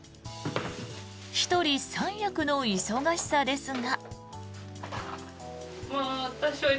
１人３役の忙しさですが。